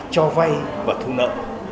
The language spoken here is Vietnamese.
cho vay và thu nợ